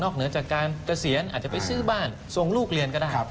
เหนือจากการเกษียณอาจจะไปซื้อบ้านส่งลูกเรียนก็ได้